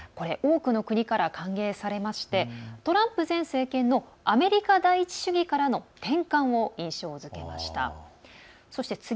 多くの国から歓迎されましてトランプ前政権のアメリカ第一主義からの転換を印象づけました。